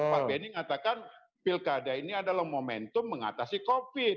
pak benny mengatakan pilkada ini adalah momentum mengatasi covid